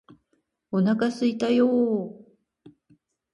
お腹すいたよーー